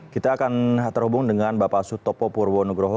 kita akan terhubung dengan bapak sutopo purwonugroho